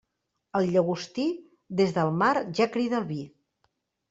El llagostí, des del mar ja crida el vi.